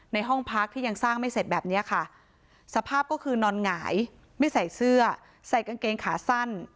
ห้องพักที่ยังสร้างไม่เสร็จแบบเนี้ยค่ะสภาพก็คือนอนหงายไม่ใส่เสื้อใส่กางเกงขาสั้น